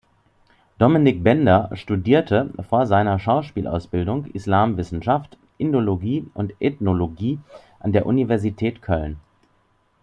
Dominik Bender studierte vor seiner Schauspielausbildung Islamwissenschaft, Indologie und Ethnologie an der Universität Köln.